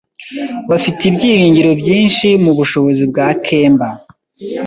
Bafite ibyiringiro byinshi mubushobozi bwa kemba.